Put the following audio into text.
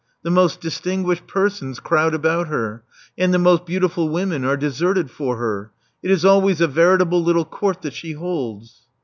The most dis tinguished persons crowd about her; and the most beautiful women are deserted for her. It is alwajrs a veritable little court that she holds."